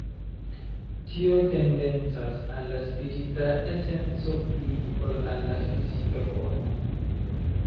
Tio tendencas al la spirita esenco pli ol al la fizika formo.